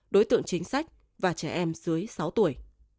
đối tượng chính sách và trẻ em dưới sáu tuổi